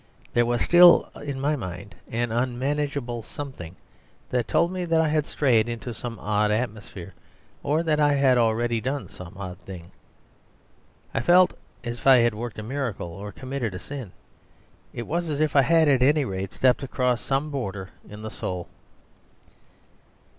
There was still in my mind an unmanageable something that told me that I had strayed into some odd atmosphere, or that I had already done some odd thing. I felt as if I had worked a miracle or committed a sin. It was as if I had at any rate, stepped across some border in the soul.